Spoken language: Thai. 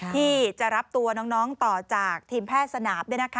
ที่จะรับตัวน้องต่อจากทีมแพทย์สนาม